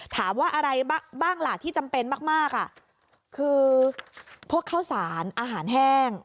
ถามว่าอะไรบ้างล่ะที่จำเป็นมากมากอ่ะคือพวกข้าวสารอาหารแห้ง